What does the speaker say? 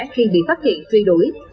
khi bị phát hiện truy đuổi